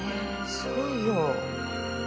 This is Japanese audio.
すごいよ。